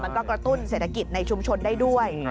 กระตุ้นเศรษฐกิจในชุมชนได้ด้วย